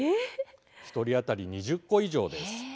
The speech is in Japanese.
１人当たり２０個以上です。